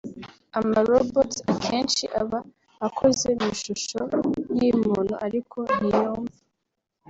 Ama-robots akenshi aba akoze mu ishusho nk’iy’umuntu ariko ntiyumva